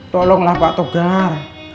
tolonglah pak togar